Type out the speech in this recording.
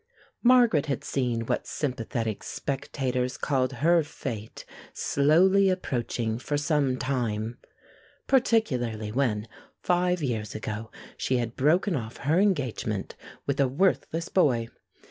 Margaret had seen what sympathetic spectators called her "fate" slowly approaching for some time particularly when, five years ago, she had broken off her engagement with a worthless boy.